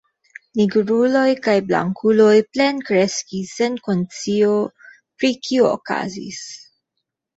Nigruloj kaj blankuloj plenkreskis sen konscio pri kio okazis.